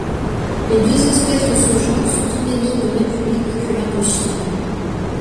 Les deux espèces de ce genre sont endémiques de République populaire de Chine.